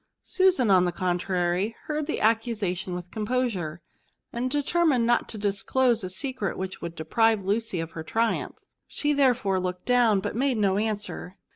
Susan, on the contrary, heard the accusation with composure, and de termined not to disclose a secret which would deprive Lucy of her triumph. She therefore looked down, but made no answer.